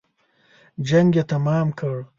جنګ یې تمام کړ.